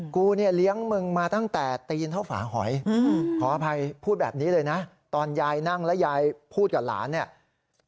กูเนี่ยเลี้ยงมึงมาตั้งแต่ตีนเท่าฝาหอยขออภัยพูดแบบนี้เลยนะตอนยายนั่งแล้วยายพูดกับหลานเนี่ย